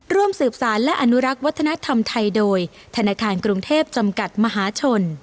ร่วมสืบสารและอนุรักษ์วัฒนธรรมไทยโดยธนาคารกรุงเทพจำกัดมหาชน